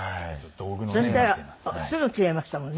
そしたらすぐ切れましたもんね。